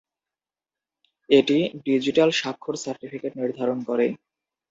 এটি ডিজিটাল স্বাক্ষর সার্টিফিকেট নির্ধারণ করে।